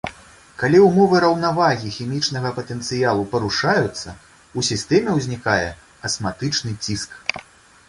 Калі ўмовы раўнавагі хімічнага патэнцыялу парушаюцца, у сістэме ўзнікае асматычны ціск.